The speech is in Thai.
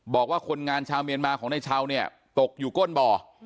บอกว่าคนงานชาวเมียนมาของนายชาวเนี่ยตกอยู่ก้นบ่อ